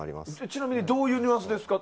ちなみにどういうニュアンスですか？